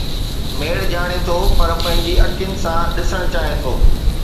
ميڙ ڄاڻي ٿو پر پنهنجي اکين سان ڏسڻ چاهي ٿو.